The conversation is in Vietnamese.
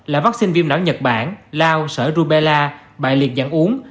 là vaccine viêm não nhật bản lao sở rubella bại liệt dẫn uống